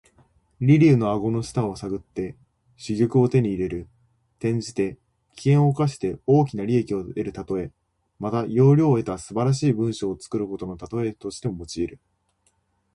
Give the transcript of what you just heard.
驪竜の顎の下を探って珠玉を手に入れる。転じて、危険を冒して大きな利益を得るたとえ。また、要領を得た素晴らしい文章を作ることのたとえとしても用いる。